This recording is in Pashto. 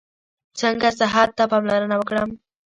څنګه صحت ته پاملرنه وکړم؟